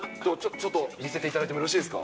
ちょっと見せていただいてもよろしいですか。